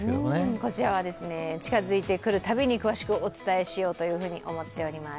こちらは近づいて来るたびに、詳しくお伝えしようと思っております。